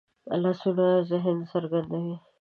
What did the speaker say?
لاسونه ذهن څرګندوي